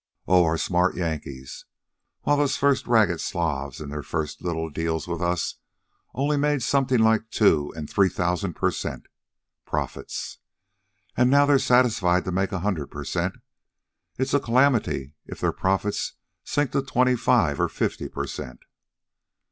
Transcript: "Oh, our smart Yankees! Why, those first ragged Slavs in their first little deals with us only made something like two and three thousand per cent. profits. And now they're satisfied to make a hundred per cent. It's a calamity if their profits sink to twenty five or fifty per cent."